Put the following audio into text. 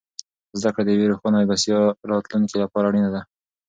زده کړه د یوې روښانه او بسیا راتلونکې لپاره اړینه ده.